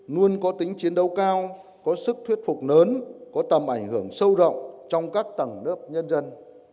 luôn có tính chiến đấu cao có sức thuyết phục lớn có tầm ảnh hưởng sâu rộng trong các tầng lớp nhân dân